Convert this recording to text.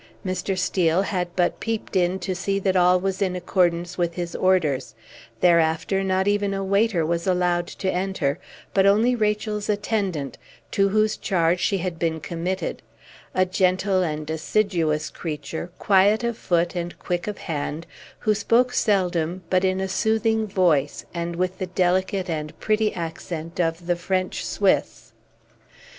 Mr. Steel had but peeped in to see that all was in accordance with his orders; thereafter not even a waiter was allowed to enter, but only Rachel's attendant, to whose charge she had been committed; a gentle and assiduous creature, quiet of foot and quick of hand, who spoke seldom but in a soothing voice, and with the delicate and pretty accent of the French Swiss.